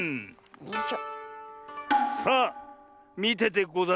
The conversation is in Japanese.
よいしょ。